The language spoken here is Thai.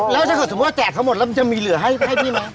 แล้วถ้าเกิดสมมุติว่าแจกเขาหมดแล้วมันจะมีเหลือให้พี่ไหม